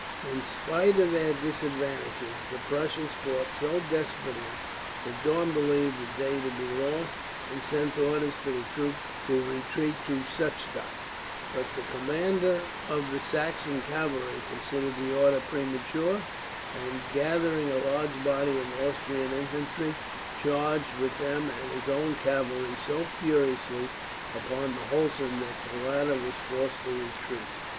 In spite of their disadvantages, the Prussians fought so desperately that Daun believed the day to be lost, and sent orders to the troops to retreat to Suchdol; but the commander of the Saxon cavalry considered the order premature and, gathering a large body of Austrian infantry, charged with them and his own cavalry so furiously upon Hulsen that the latter was forced to retreat.